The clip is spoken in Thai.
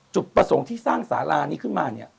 จุดประสงค์ที่สร้างสารานี้ขึ้นมาเนี่ย